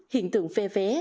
hiện tượng phê vé